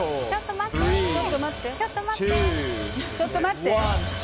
ちょっと待って。